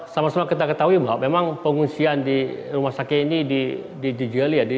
sama sama kita ketahui bahwa memang pengungsian di rumah sakit ini dijual